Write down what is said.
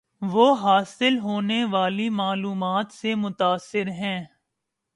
وہ حاصل ہونے والی معلومات سے متاثر ہیں